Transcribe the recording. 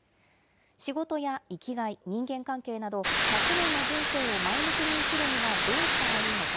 仕事や生きがい、人間関係など、１００年の人生を前向きに生きるにはどうしたらいいのか。